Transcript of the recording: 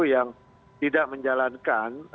yang tidak menjalankan